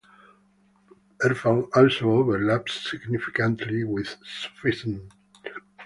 Erfan also overlaps significantly with Sufism.